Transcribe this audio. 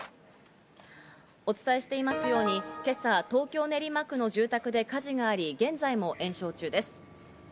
お伝えしていますように今朝、東京・練馬区の住宅で火事があり、現在も延焼中です。